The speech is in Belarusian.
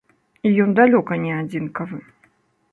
І ён далёка не адзінкавы.